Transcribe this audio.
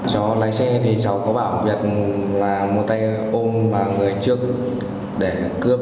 cháu lái xe thì cháu có bảo việt là một tay ôm vào người trước để cướp